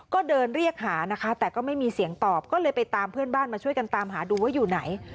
ก็เดินเรียกหานะคะแต่ก็ไม่มีเสียงตอบก็เลยไปตามเพื่อนบ้านมาช่วยกันตามหาดูว่าอยู่ไหน